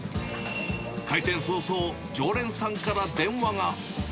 開店早々、常連さんから電話が。